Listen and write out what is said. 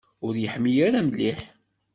Ur yeḥmi ara mliḥ.